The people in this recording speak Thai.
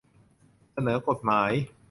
เสนอกฎหมาย